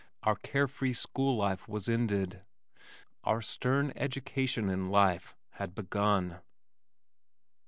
Our carefree school life was ended. Our stern education in life had begun.